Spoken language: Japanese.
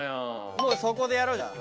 もう速攻でやろうじゃあ。